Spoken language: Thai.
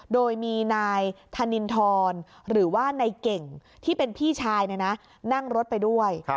โดยมีนายธนินทรหรือว่านายเก่งที่เป็นพี่ชายนั่งรถไปด้วย